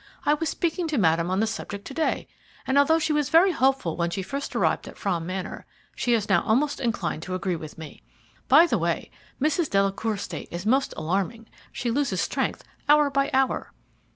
I was speaking to Madame on the subject to day, and although she was very hopeful when she first arrived at Frome Manor, she is now almost inclined to agree with me. By the way, Mrs. Delacour's state is most alarming she loses strength hour by hour."